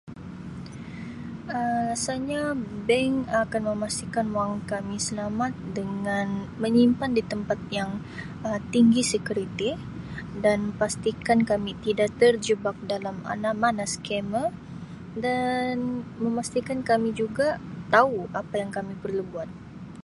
"Um Rasanya bank akan memastikan wang kami selamat dengan menyimpan di tempat yang Um tinggi sekuriti dan pastikan kami tidak terjebak dalam mana-mana ""scammer"" dan memastikan kami juga tau apa yang kami perlu buat. "